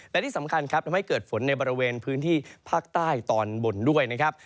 และที่สำคัญครับทำให้เกิดฝนในบริเวณพื้นที่ภาคใต้ตอนบนด้วยนะครับ